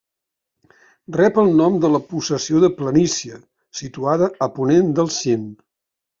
Rep el nom de la possessió de Planícia, situada a ponent del cim.